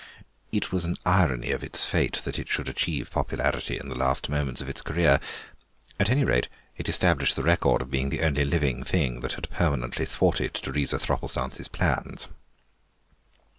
It was an irony of its fate that it should achieve popularity in the last moments of its career; at any rate, it established the record of being the only living thing that had permanently thwarted Teresa Thropplestance's plans.